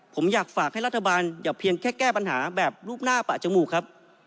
ผมอยากฝากให้รัฐบาลอย่าเพียงแค่แก้ปัญหาแบบรูปหน้าปะจมูกครับ